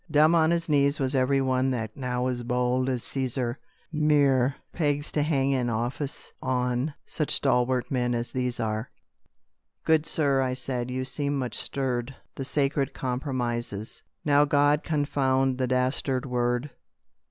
Dumb on his knees was every one That now is bold as Cæsar, Mere pegs to hang an office on Such stalwart men as these are." "Good Sir," I said, "you seem much stirred The sacred compromises " "Now God confound the dastard word!